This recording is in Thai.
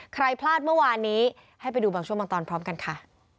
ใครพลาดเมื่อวานนี้ให้ไปดูบางช่วงบางตอนพร้อมกันค่ะ